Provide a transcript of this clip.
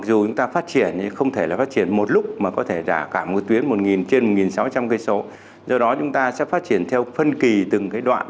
điều này đã phát triển theo phân kỳ từng đoạn